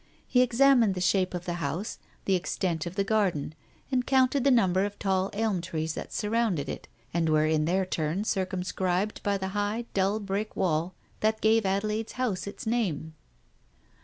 He examined the shape of the house, the extent of the garden, and counted the number of tall elm trees that surrounded it, and were in their turn circumscribed by the high, dull brick wall that gave Adelaide's house its name.